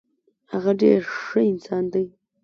هغه ډیر ښه انسان دی.